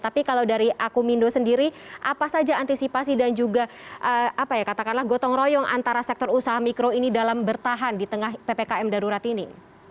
tapi kalau dari aku mindo sendiri apa saja antisipasi dan juga apa ya katakanlah gotong royong antara sektor usaha mikro ini dalam bertahan di tengah ppkm darurat ini